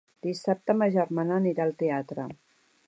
Dissabte ma germana anirà al teatre.